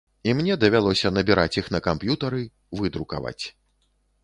І мне давялося набіраць іх на камп'ютары, выдрукаваць.